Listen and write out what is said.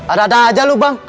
ada ada aja lu bang